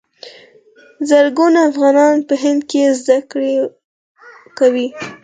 زرګونه افغانان په هند کې زده کړې کوي.